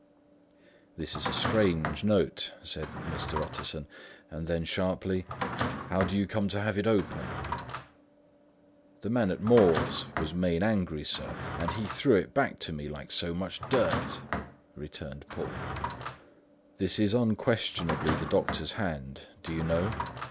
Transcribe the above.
"This is a strange note," said Mr. Utterson; and then sharply, "How do you come to have it open?" "The man at Maw's was main angry, sir, and he threw it back to me like so much dirt," returned Poole. "This is unquestionably the doctor's hand, do you know?"